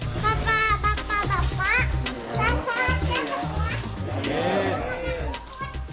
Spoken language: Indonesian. bapak bapak bapak